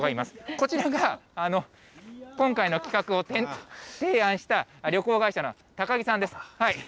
こちらが今回の企画を提案した旅行会社の高木さんです。